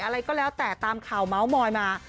อะไรก็แล้วแต่ตามข่าวเมาส์มอยมา